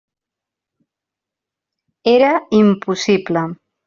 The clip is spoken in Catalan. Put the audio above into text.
Era impossible!